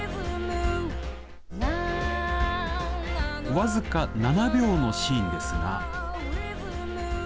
僅か７秒のシーンですが。